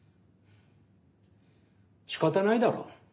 仕方ないだろ。